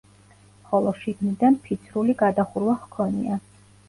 ხოლო შიგნიდან ფიცრული გადახურვა ჰქონია.